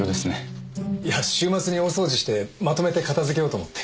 いや週末に大掃除してまとめて片付けようと思って。